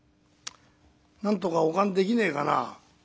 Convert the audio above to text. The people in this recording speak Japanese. なんとかお燗できねえかな」。